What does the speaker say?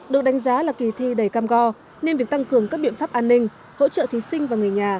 được đánh giá là kỳ thi đầy cam go nên việc tăng cường các biện pháp an ninh hỗ trợ thí sinh và người nhà